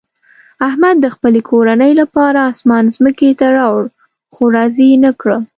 احمد د خپلې کورنۍ لپاره اسمان ځمکې ته راوړ، خو راضي یې نه کړه.